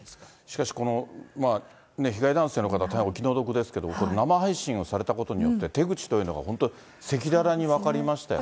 しかしこの、被害男性の方、大変お気の毒ですけれども、生配信されたことによって手口というのが、本当、赤裸々に分かりましたよね。